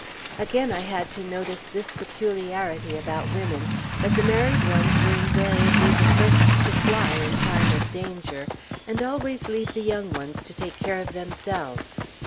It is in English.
Again I had to notice this peculiarity about women that the married ones are invariably the first to fly, in time of danger, and always leave the young ones to take care of themselves.